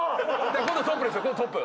今度トップですよ今度トップ。